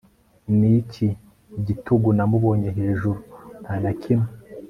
Niki gitugu namubonye hejuru Nta na kimwe